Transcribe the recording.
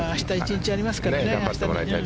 １日ありますからね。